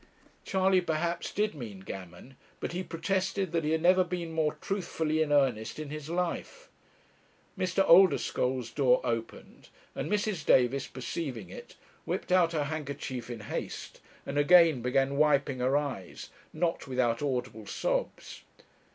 Charley, perhaps, did mean gammon; but he protested that he had never been more truthfully in earnest in his life. Mr. Oldeschole's door opened, and Mrs. Davis perceiving it, whipped out her handkerchief in haste, and again began wiping her eyes, not without audible sobs.